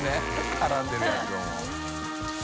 絡んでるやつをもう。